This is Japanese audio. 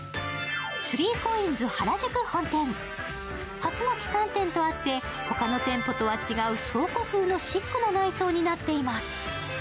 初の旗艦店とあって、他の店舗とは違う倉庫風のシックな内装になっています。